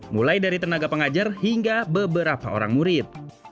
mulai dari tenaga pengajar hingga beberapa orang murid